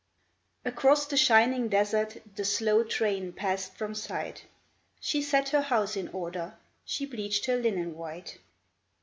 Across the shining desert The slow train passed from sight ; She set her house in order, She bleached her linen white.